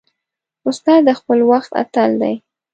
استاد د خپل وخت اتل دی.